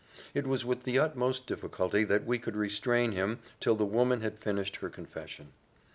It was with the utmost difficulty that we could restrain him till the woman had finished her confession.